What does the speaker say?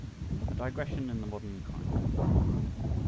A DIGRESSION IN THE MODERN KIND.